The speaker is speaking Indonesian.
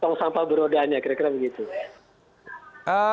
tong sampah berodanya kira kira begitu